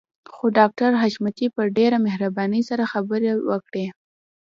خو ډاکټر حشمتي په ډېره مهربانۍ سره خبرې وکړې.